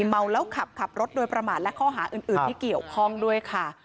เมาแล้วขับขับรถโดยประมาทและข้อหาอื่นที่เกี่ยวข้องด้วยค่ะ